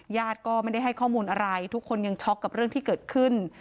ญาติก็ไม่ได้ให้ข้อมูลอะไรทุกคนยังช็อกกับเรื่องที่เกิดขึ้น